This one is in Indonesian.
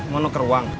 mau nuker uang